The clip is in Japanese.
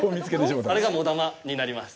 あれがモダマになります。